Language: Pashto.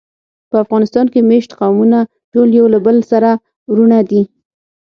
په افغانستان کې مېشت قومونه ټول یو له بله سره وروڼه دي.